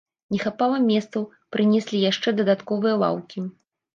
Не хапала месцаў, прынеслі яшчэ дадатковыя лаўкі.